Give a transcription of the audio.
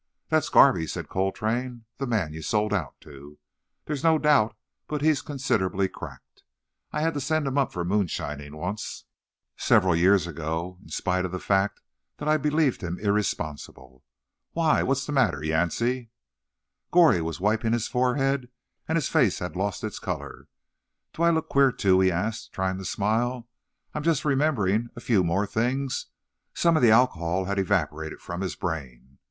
"That's Garvey," said Coltrane; "the man you sold out to. There's no doubt but he's considerably cracked. I had to send him up for moonshining once, several years ago, in spite of the fact that I believed him irresponsible. Why, what's the matter, Yancey?" Goree was wiping his forehead, and his face had lost its colour. "Do I look queer, too?" he asked, trying to smile. "I'm just remembering a few more things." Some of the alcohol had evaporated from his brain.